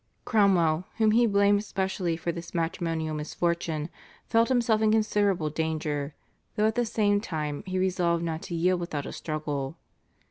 Cromwell, whom he blamed specially for this matrimonial misfortune, felt himself in considerable danger, though at the same time he resolved not to yield without a struggle.